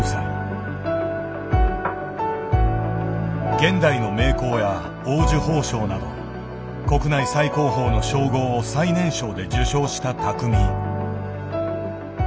現代の名工や黄綬褒章など国内最高峰の称号を最年少で受しょうした匠。